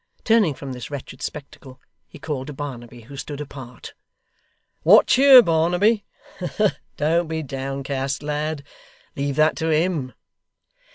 Turning from this wretched spectacle, he called to Barnaby, who stood apart. 'What cheer, Barnaby? Don't be downcast, lad. Leave that to HIM.